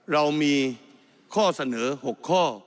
เรามีข้อเสนอ๖ข้อ